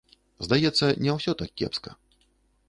Здаецца, не ўсё так кепска.